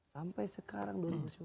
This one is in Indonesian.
sampai sekarang dua ribu sembilan belas